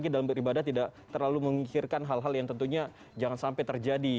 dan beribadah tidak terlalu mengikirkan hal hal yang tentunya jangan sampai terjadi